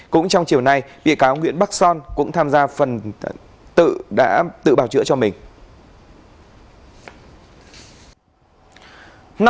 cũng trong chiều nay bị cáo nguyễn bắc son cũng tham gia phần tự bào chữa cho mình